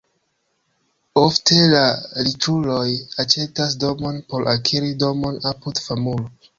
Ofte la riĉuloj aĉetas domon por akiri domon apud famulo.